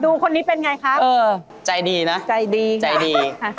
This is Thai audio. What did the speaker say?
คนนี้เป็นไงครับเออใจดีนะใจดีใจดีค่ะ